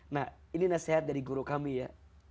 nah ini nasihat dari guru kami ya